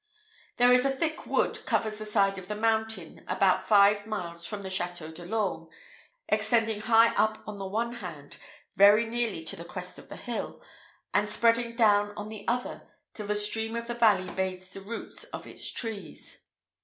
There is a thick wood covers the side of the mountain about five miles from the Château de l'Orme, extending high up on the one hand, very nearly to the crest of the hill, and spreading down on the other till the stream in the valley bathes the roots of its trees.